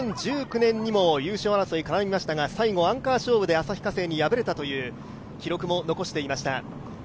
２０１９年にも優勝争いに絡みましたが、最後、アンカー勝負で旭化成に敗れたという記録も残していました。